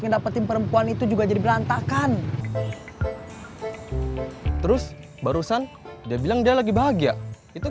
dapetin perempuan itu juga jadi berantakan terus barusan dia bilang dia lagi bahagia itu